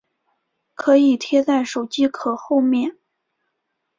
可以贴在手机壳后面